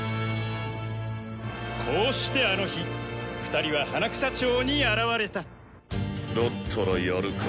こうしてあの日２人は花草町に現れただったらやるか？